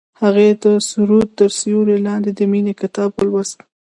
هغې د سرود تر سیوري لاندې د مینې کتاب ولوست.